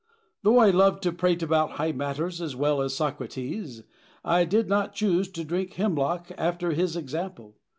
Though I loved to prate about high matters as well as Socrates, I did not choose to drink hemlock after his example.